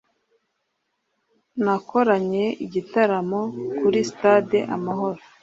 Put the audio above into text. nakoranye igitaramo kuri Sitade Amahoro